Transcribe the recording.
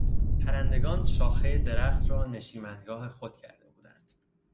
پرندگان شاخهی درخت را نشیمنگاه خود کرده بودند.